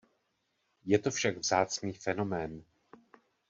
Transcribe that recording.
Je to však vzácný fenomén.